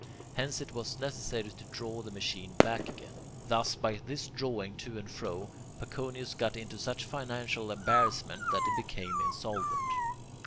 Hence it was necessary to draw the machine back again. Thus, by this drawing to and fro, Paconius got into such financial embarrassment that he became insolvent.